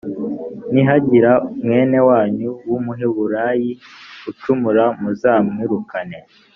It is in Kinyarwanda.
nihagira mwene wanyu w’umuhebureyi ucumura muzamwirukane